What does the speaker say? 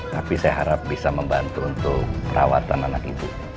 tapi saya harap bisa membantu untuk perawatan anak itu